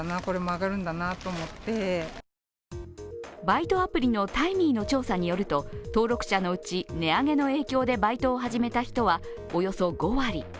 バイトアプリのタイミーの調査によると登録者のうち、値上げの影響でバイトを始めた人はおよそ５割。